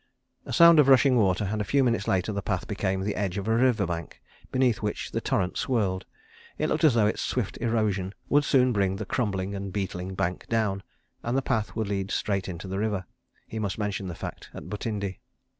... A sound of rushing water, and a few minutes later the path became the edge of a river bank beneath which the torrent swirled. It looked as though its swift erosion would soon bring the crumbling and beetling bank down, and the path would lead straight into the river. He must mention the fact at Butindi.